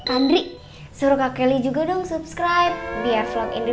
andri suruh kak kelly juga dong subscribe biar vlog induk